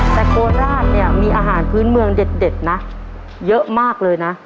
แต่โคราชเนี่ยมีอาหารพื้นเมืองเด็ดนะเยอะมากเลยนะ